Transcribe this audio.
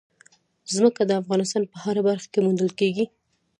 ځمکه د افغانستان په هره برخه کې موندل کېږي.